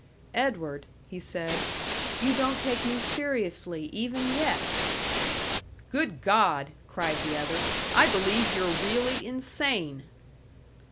"Edward," he said, "you don't take me seriously even yet!" "Good God!" cried the other. "I believe you're really insane!"